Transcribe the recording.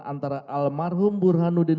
antara almarhum burhanuddin